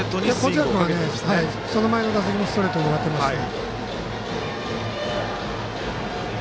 麹家君はその前の打席のストレート狙っていました。